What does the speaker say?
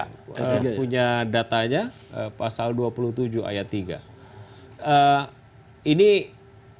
pemerintah kepada rakyatnya